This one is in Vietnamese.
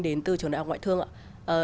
đến từ trường đại học ngoại thương ạ